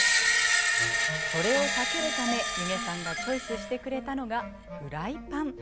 それを避けるため弓削さんがチョイスしてくれたのがフライパン。